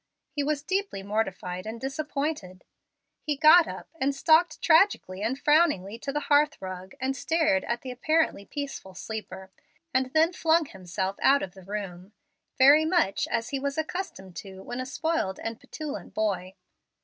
He was deeply mortified and disappointed. He got up and stalked tragically and frowningly to the hearth rug, and stared at the apparently peaceful sleeper, and then flung himself out of the room, very much as he was accustomed to when a spoiled and petulant boy.